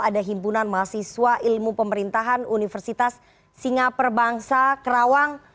ada himpunan mahasiswa ilmu pemerintahan universitas singapura bangsa kerawang